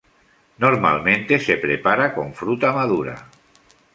Normalmente se prepara con fruta madura.